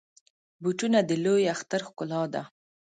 بوټونه د لوی اختر ښکلا ده.